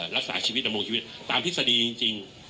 รักษาชีวิตดำรงชีวิตตามทฤษฎีจริง